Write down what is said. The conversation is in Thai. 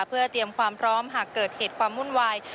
เพื่อเตรียมความพร้อมหากเกิดเหตุความวุ่นวาย